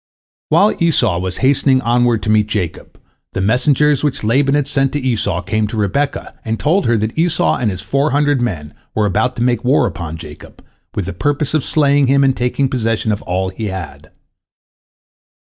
While Esau was hastening onward to meet Jacob, the messengers which Laban had sent to Esau came to Rebekah and told her that Esau and his four hundred men were about to make war upon Jacob, with the purpose of slaying him and taking possession of all he had.